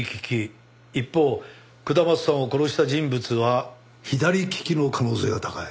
一方下松さんを殺した人物は左利きの可能性が高い。